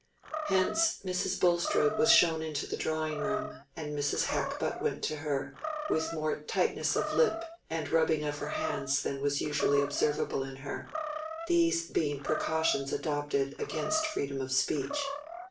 Hence Mrs. Bulstrode was shown into the drawing room, and Mrs. Hackbutt went to her, with more tightness of lip and rubbing of her hands than was usually observable in her, these being precautions adopted against freedom of speech.